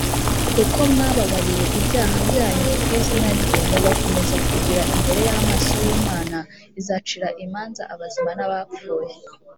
kuko mwababariwe ibyaha byanyu ku bw izina rye mugakomeza kugira imbere y’amaso y’Imana izacira imanza abazima n’abapfuye.